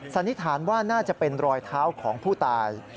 สันนิษฐานว่าน่าจะเป็นรอยเท้าของผู้ตาย